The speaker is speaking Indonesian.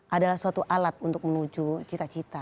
adalah suatu alat untuk menuju cita cita